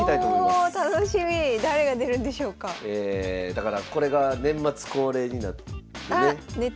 だからこれが年末恒例になってね。